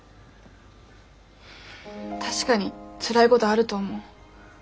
確かにつらいごどあると思う。